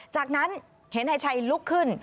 จากนั้นเห็นนายชัยลุกขึ้น